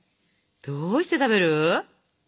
どうして食べる？